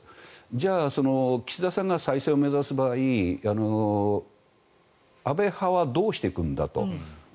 じゃあ岸田さんが再選を目指す場合安倍派はどうしていくんだと。